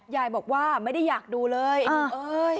ยายบอกว่าไม่ได้อยากดูเลยเอ้ย